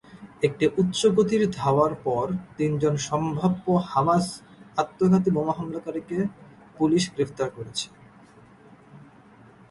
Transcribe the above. একটি উচ্চ গতির ধাওয়ার পর, তিনজন সম্ভাব্য হামাস আত্মঘাতী বোমা হামলাকারীকে পুলিশ গ্রেপ্তার করেছে।